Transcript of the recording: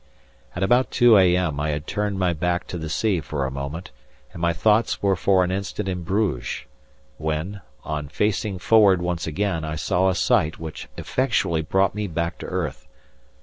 At about 2 a.m. I had turned my back to the sea for a moment, and my thoughts were for an instant in Bruges, when, on facing forward once again I saw a sight which effectually brought me back to earth.